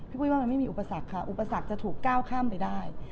ปุ้ยว่ามันไม่มีอุปสรรคค่ะอุปสรรคจะถูกก้าวข้ามไปได้